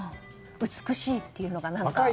美しいというのが何か。